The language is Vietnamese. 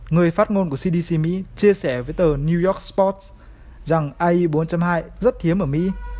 người phát ngôn của cdc mỹ chia sẻ với tờ new york sports rằng ai bốn hai rất thiếu ở mỹ